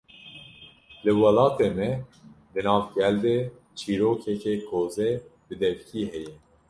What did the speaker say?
Li welatê me, di nav gel de çîrokeke kozê bi devkî heye